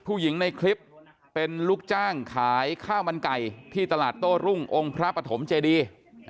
ผู้หญิงในคลิปเป็นลูกจ้างขายข้าวมันไก่ที่ตลาดโต้รุ่งองค์พระปฐมเจดี